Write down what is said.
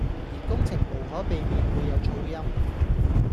而工程無可避免會有噪音